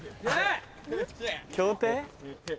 競艇？